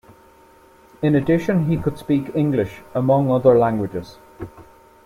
In addition, he could speak English, among other languages.